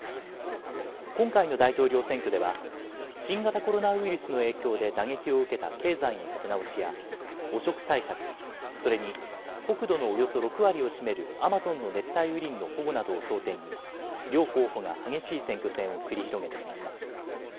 今回の大統領選挙では新型コロナウイルスの影響で打撃を受けた経済の立て直しや汚職対策、それに国土のおよそ６割を占めるアマゾンの熱帯雨林の保護などを争点に両候補が激しい選挙戦を繰り広げてきました。